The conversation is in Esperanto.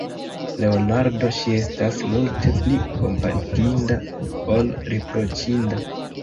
Leonardo, ŝi estas multe pli kompatinda, ol riproĉinda.